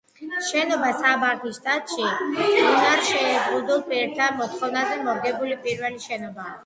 შენობა საბაჰის შტატში უნარ შეზღუდულ პირთა მოთხოვნებზე მორგებული პირველი შენობაა.